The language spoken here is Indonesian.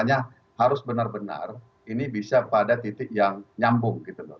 hanya harus benar benar ini bisa pada titik yang nyambung gitu loh